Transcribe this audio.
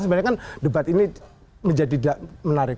sebenarnya kan debat ini menjadi tidak menarik